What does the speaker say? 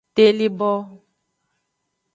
Telibo.